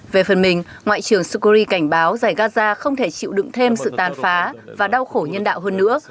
về phần mình ngoại trưởng sukri cảnh báo giải gaza không thể chịu đựng thêm sự tàn phá và đau khổ nhân đạo hơn nữa